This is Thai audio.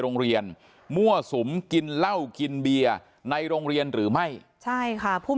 โรงเรียนมั่วสุมกินเหล้ากินเบียร์ในโรงเรียนหรือไม่ใช่ค่ะผู้